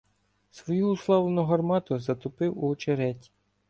Свою уславлену гармату затопив у очереті.